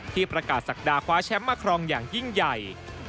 ประกาศศักดาคว้าแชมป์มาครองอย่างยิ่งใหญ่